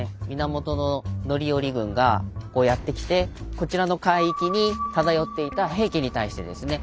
源範頼軍がやって来てこちらの海域に漂っていた平家に対してですね